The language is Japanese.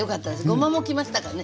ごまもきましたかね？